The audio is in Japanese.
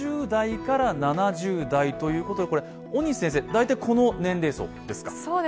大体この年齢層ですか？